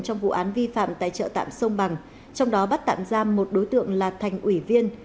trong vụ án vi phạm tại chợ tạm sông bằng trong đó bắt tạm giam một đối tượng là thành ủy viên